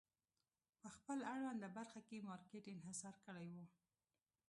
په خپل اړونده برخه کې مارکېټ انحصار کړی و.